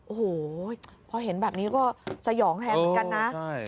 โอ้โหพอเห็นแบบนี้ก็สยองแทนเหมือนกันนะ